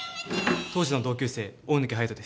当時の同級生大貫隼斗です。